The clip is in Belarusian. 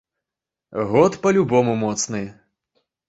Год па любому моцны.